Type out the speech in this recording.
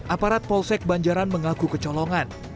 aparat polsek banjaran mengaku kecolongan